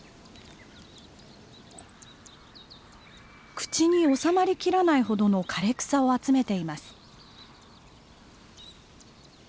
口におさまりきらないほどの枯れ草を集めています。